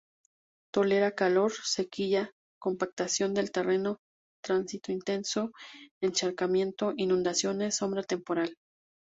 Tolera calor, sequía, compactación del terreno, tránsito intenso, encharcamiento, inundaciones, sombra temporal.